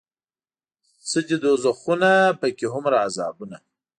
څه دي دوزخونه پکې هومره عذابونه